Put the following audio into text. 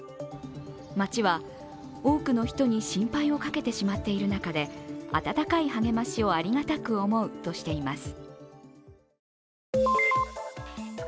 町は、多くの人に心配をかけてしまっている中で温かい励ましをありがたく思うとしています。